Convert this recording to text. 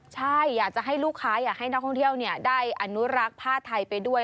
ใช่อยากจะให้ลูกค้าอยากให้นักท่องเที่ยวได้อนุรักษ์ผ้าไทยไปด้วย